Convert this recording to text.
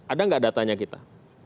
ada nggak datanya kita